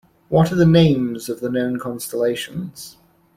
What are the names of the known constellations?